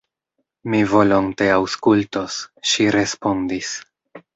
Mi volonte aŭskultos, ŝi respondis.